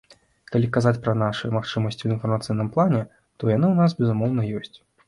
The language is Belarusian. Калі казаць пра нашы магчымасці ў інфармацыйным плане, то яны ў нас, безумоўна, ёсць.